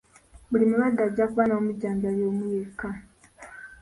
Buli mulwadde ajja kuba n'omujjanjabi omu yekka.